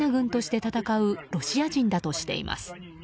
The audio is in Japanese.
ウクライナ軍として戦うロシア人だとしています。